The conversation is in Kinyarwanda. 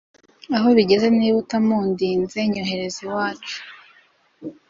aho bigeze niba utamundinze nyohereza iwacu,